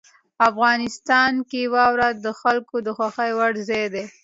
افغانستان کې واوره د خلکو د خوښې وړ ځای دی.